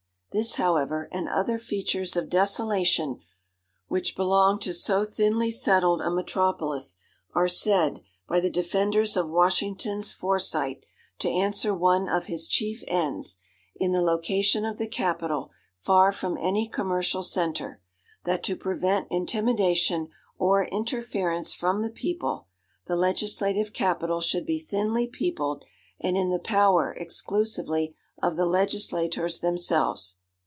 This, however, and other features of desolation which belong to so thinly settled a metropolis, are said, by the defenders of Washington's foresight, to answer one of his chief ends, in the location of the Capitol far from any commercial centre—that to prevent intimidation or interference from the people, the legislative capital should be thinly peopled, and in the power exclusively of the legislators themselves.